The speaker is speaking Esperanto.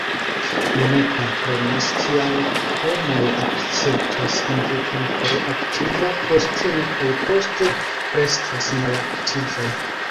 Mi ne komprenas, kial homoj akceptas inviton por aktiva posteno kaj poste restas malaktivaj.